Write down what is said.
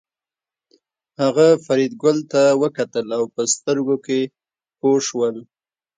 هغه فریدګل ته وکتل او په سترګو کې پوه شول